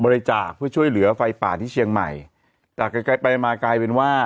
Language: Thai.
บริจาคเพื่อช่วยเหลือไฟป่าที่เชียงใหม่จากไกลไกลไปมากลายเป็นว่า